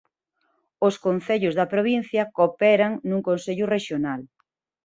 Os concellos da provincia cooperan nun Consello Rexional.